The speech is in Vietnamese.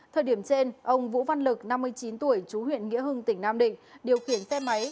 thời điểm trên ông vũ văn lực năm mươi chín tuổi chú huyện nghĩa hưng tỉnh nam định điều khiển xe máy